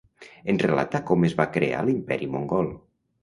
Ens relata com es va crear l'imperi mongol.